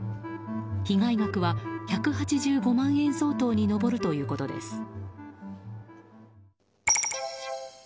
被害額は１８５万円相当に上るということです。